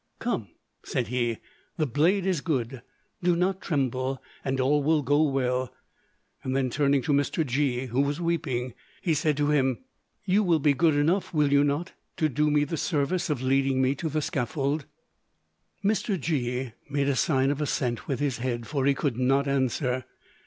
"Come," said he, "the blade is good; do not tremble, and all will go well." Then, turning to Mr. G——, who was weeping, he said to him, "You will be good enough, will you not, to do me the service of leading me to the scaffold?" Mr. G——made a sign of assent with his head, for he could not answer.